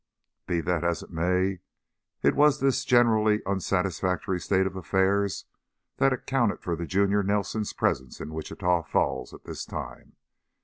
Be that as it may, it was this generally unsatisfactory state of affairs that accounted for the junior Nelson's presence in Wichita Falls at this time.